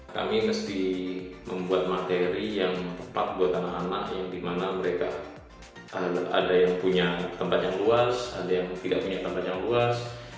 kami mesti membuat materi yang tepat buat anak anak yang dimana mereka ada yang punya tempat yang luas ada yang tidak punya tempat yang luas